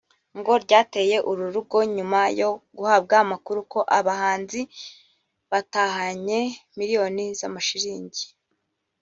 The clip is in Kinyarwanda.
ngo ryateye uru rugo nyuma yo guhabwa amakuru ko aba bahanzi batahanye miliyoni z’amashiringi